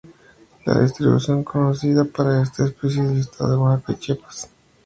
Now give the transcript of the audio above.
La distribución conocida, para esta especie es en el Estado de Oaxaca y Chiapas.